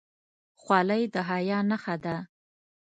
خولۍ د حیا نښه ده.